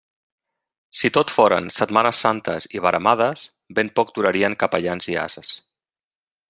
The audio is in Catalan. Si tot foren setmanes santes i veremades, ben poc durarien capellans i ases.